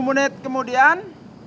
sepuluh menit kemudian